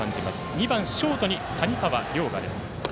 ２番ショートに谷亮汰です。